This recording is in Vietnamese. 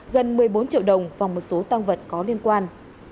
gần một mươi bốn triệu đồng và một số tăng vật có liên quan